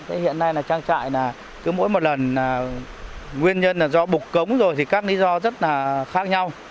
thế hiện nay là trang trại là cứ mỗi một lần nguyên nhân là do bục cống rồi thì các lý do rất là khác nhau